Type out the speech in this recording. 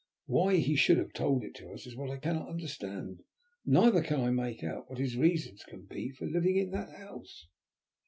Why he should have told it to us is what I cannot understand, neither can I make out what his reasons can be for living in that house."